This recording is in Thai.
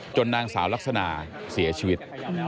นางสาวลักษณะเสียชีวิต